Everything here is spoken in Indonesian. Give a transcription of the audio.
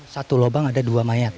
satu lubang ada dua mayat